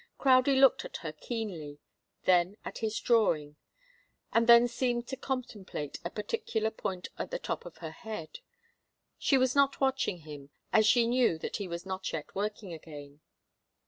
Crowdie looked at her keenly, then at his drawing, and then seemed to contemplate a particular point at the top of her head. She was not watching him, as she knew that he was not yet working again.